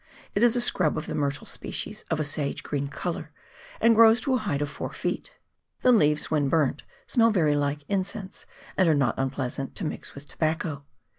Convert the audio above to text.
It is a shrub of the myrtle species, of a sage green colour, and grows to a height of four feet. The leaves, when burnt, smell very like incense, and are not unpleasant to mix with tobacco.